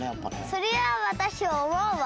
そりゃあわたしおもうわ。